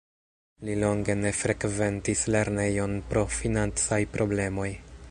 Li longe ne frekventis lernejon pro financaj problemoj.